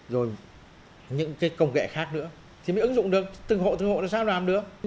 rồi những công nghệ khác nữa thì mới ứng dụng được từng hộ từng hộ nó sao làm được